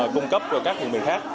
cung cấp cho các vùng mình khác